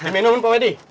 minumin pak wedi